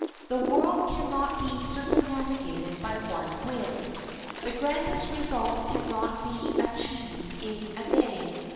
The world can not be circumnavigated by one wind. The grandest results can not be achieved in a day.